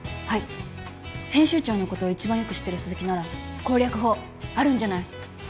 はい編集長のことを一番よく知ってる鈴木なら攻略法あるんじゃない？